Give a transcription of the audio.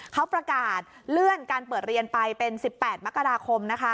เขาประกาศเลื่อนการเปิดเรียนไปเป็น๑๘มกราคม